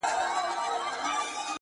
په ځان کي ننوتم «هو» ته چي سجده وکړه’